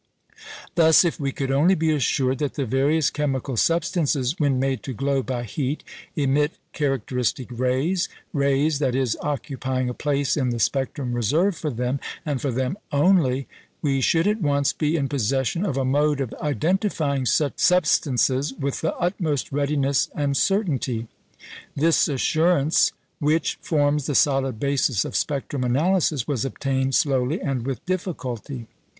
Thus, if we could only be assured that the various chemical substances when made to glow by heat, emit characteristic rays rays, that is, occupying a place in the spectrum reserved for them, and for them only we should at once be in possession of a mode of identifying such substances with the utmost readiness and certainty. This assurance, which forms the solid basis of spectrum analysis, was obtained slowly and with difficulty.